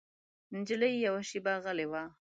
نجلۍ يوه شېبه غلې وه.